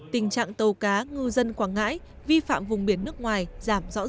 tình trạng tàu cá ngư dân quảng ngãi vi phạm vùng biển nước ngoài giảm rõ rệt